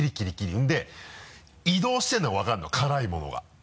それで移動してるのが分かるの辛いものが。